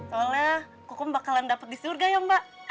soalnya kokong bakalan dapet di surga ya mbak